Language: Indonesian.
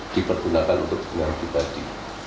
dipergunakan untuk pengaruhi bagi